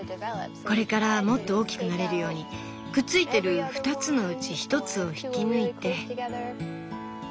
これからもっと大きくなれるようにくっついてる２つのうち１つを引き抜いて。